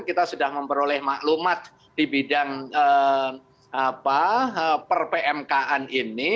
kita sudah memperoleh maklumat di bidang per pmkn ini